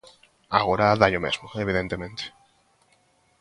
Agora dálle o mesmo, evidentemente.